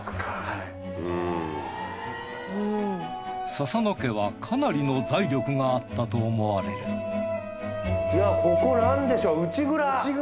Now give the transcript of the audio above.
笹野家はかなりの財力があったと思われるここ何でしょう。